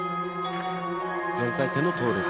４回転のトウループ。